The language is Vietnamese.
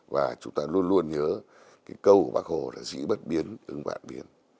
và chúng ta luôn luôn nhớ cái câu của bác hồ là dĩ bất biến ứng vạn biến